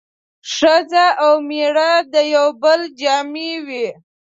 ښځه او مېړه د يو بل جامې وي